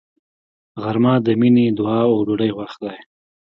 غرمه د مینې، دعا او ډوډۍ وخت دی